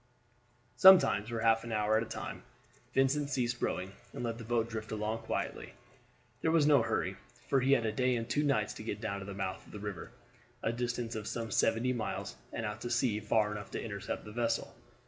Sometimes for half an hour at a time Vincent ceased rowing, and let the boat drift along quietly. There was no hurry, for he had a day and two nights to get down to the mouth of the river, a distance of some seventy miles, and out to sea far enough to intercept the vessel.